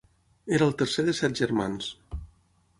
Era el tercer de set germans.